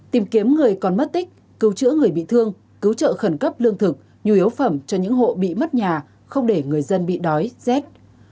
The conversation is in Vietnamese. tìm kiếm người còn mất tích cứu chữa người bị thương cứu trợ khẩn cấp lương thực nhu yếu phẩm cho những hộ bị mất nhà không để người dân bị đói rét